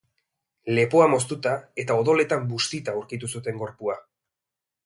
Lepoa moztuta eta odoletan bustita aurkitu zuten gorpua.